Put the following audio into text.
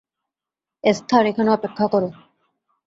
Esther, এখানে অপেক্ষা করো।